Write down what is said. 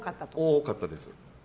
多かったです。